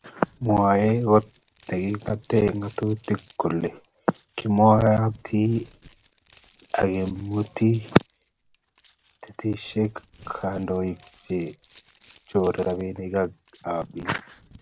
Mwoe kot nekingote ngatutik kole kimwoitoi akemut keteshiet kandoik che chore robinik ab bik